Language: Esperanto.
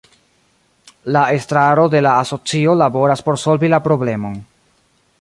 La estraro de la asocio laboras por solvi la problemon.